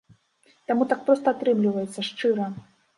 Таму так проста атрымліваецца, шчыра.